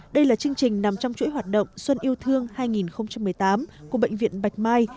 đây là chương trình nằm trong chuỗi hoạt động xuân yêu thương hai nghìn một mươi tám của bệnh viện bạch mai